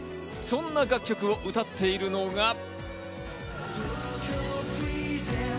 そんな楽曲を歌っているのが。